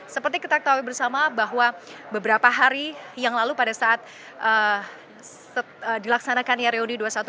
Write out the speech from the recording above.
seperti kita ketahui bersama bahwa beberapa hari yang lalu pada saat dilaksanakannya reuni dua ratus dua belas